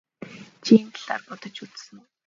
Чи энэ талаар бодож үзсэн үү?